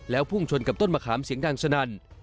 พุ่งชนกับต้นมะขามเสียงดังสนั่น